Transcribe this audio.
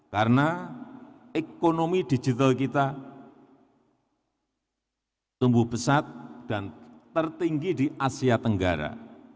karena ekonomi digital kita tumbuh pesat dan tertinggi di asia tenggara